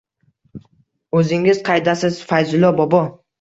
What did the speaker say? O’zingiz qaydasiz, Fayzullo bobo?!